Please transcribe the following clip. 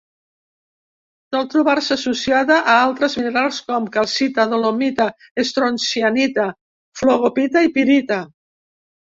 Sol trobar-se associada a altres minerals com: calcita, dolomita, estroncianita, flogopita i pirita.